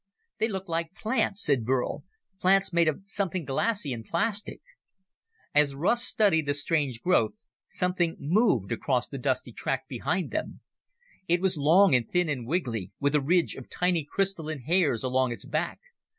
"They look like plants," said Burl. "Plants made of something glassy and plastic." As Russ studied the strange growths, something moved across the dusty tract behind them. It was long and thin and wiggly, with a ridge of tiny crystalline hairs along its back.